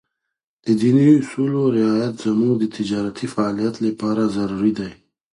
د ديني اصولو رعایت زموږ د تجارتي فعالیت لپاره ضروري دی.